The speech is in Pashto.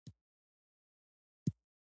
د ودې لپاره برابر فرصتونه باید وي.